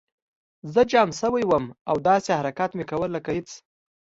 زه جام شوی وم او داسې حرکات مې کول لکه هېڅ